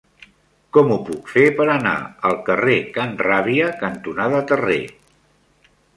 Com ho puc fer per anar al carrer Can Ràbia cantonada Terré?